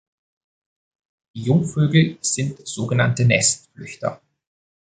Die Jungvögel sind sogenannte Nestflüchter.